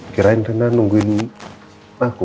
kirain rena nungguin aku